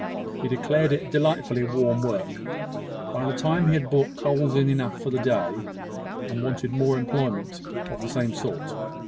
He declared it delightfully warm work, by the time he had brought in coals enough for the day, and wanted more employment of the same sort.